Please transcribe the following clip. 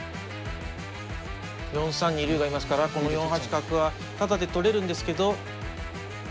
４三に竜がいますからこの４八角はタダで取れるんですけど。